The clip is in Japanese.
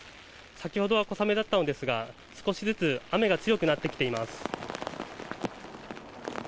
先ほどは小雨だったのですが少しずつ雨が強くなってきています。